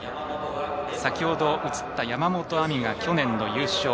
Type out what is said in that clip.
先ほど、映った山本亜美が去年の優勝。